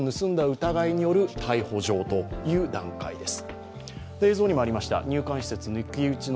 疑いによる逮捕状という段階です。